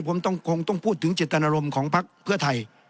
ผมคงต้องพูดถึงเจตนารมณ์ของพักเพื่อไทย